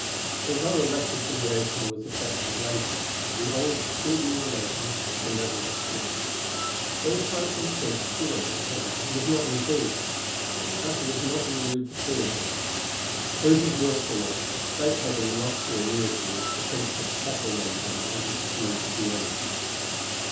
Although a reconciliation was effected later, the old cordial relations were never restored. There were times when the Prince called on Beethoven and was not received, when the latter was not in the mood for seeing him. Through his wilfulness, Beethoven lost the annuity which the Prince had settled on him on his coming to Vienna.